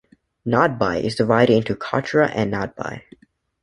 Nadbai is divided into Katra and Nadbai.